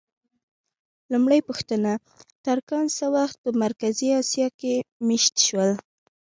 لومړۍ پوښتنه: ترکان څه وخت په مرکزي اسیا کې مېشت شول؟